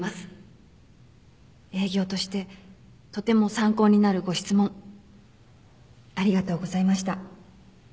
営業としてとても参考になるご質問ありがとうございました